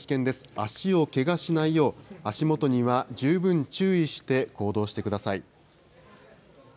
足をけがしないよう足元には十分注意して行動してください。